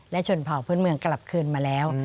และชนเผาพื้นเมืองกลับคืนมาแล้ว